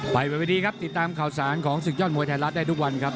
ไปบนวิธีครับติดตามข่าวสารของศึกยอดมวยไทยรัฐได้ทุกวันครับ